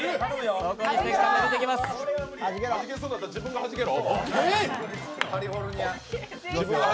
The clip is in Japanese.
はじけそうになったら自分がはじけろ！